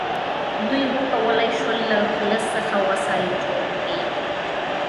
دوی وکولی شول له فلز څخه وسایل جوړ کړي.